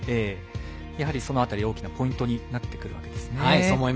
やはり、その辺り大きなポイントになってくるわけですね。